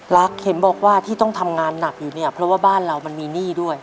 เข็มบอกว่าที่ต้องทำงานหนักอยู่เนี่ยเพราะว่าบ้านเรามันมีหนี้ด้วย